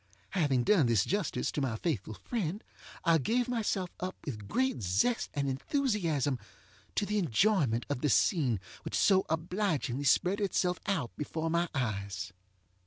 Having done this justice to my faithful friend, I gave myself up with great zest and enthusiasm to the enjoyment of the scene which so obligingly spread itself out before my eyes.